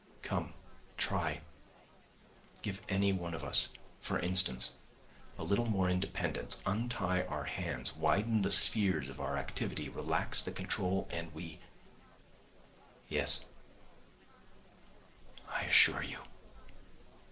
Come, try, give any one of us, for instance, a little more independence, untie our hands, widen the spheres of our activity, relax the control and we ... yes, I assure you